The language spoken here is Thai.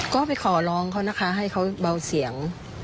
ก็ไปขอร้องเขานะคะให้เขาเบาเสียง